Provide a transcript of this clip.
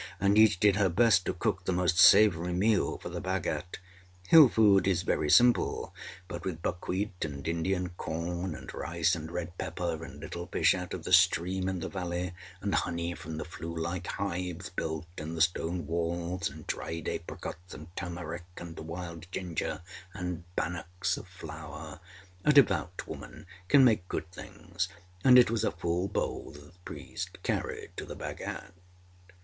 â and each did her best to cook the most savoury meal for the Bhagat. Hill food is very simple, but with buckwheat and Indian corn, and rice and red pepper, and little fish out of the stream in the valley, and honey from the flue like hives built in the stone walls, and dried apricots, and turmeric, and wild ginger, and bannocks of flour, a devout woman can make good things, and it was a full bowl that the priest carried to the Bhagat.